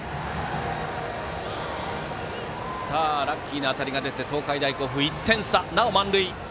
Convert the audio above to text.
ラッキーな当たりが出て東海大甲府、１点差でなお満塁。